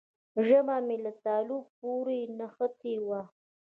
ژبه مې تالو پورې نښتې وه.